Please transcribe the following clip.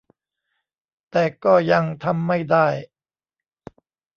แต่ก็ยังทำไม่ได้